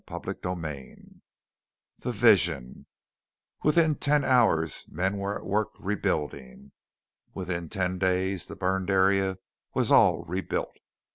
CHAPTER XLVI THE VISION Within ten hours men were at work rebuilding. Within ten days the burned area was all rebuilt.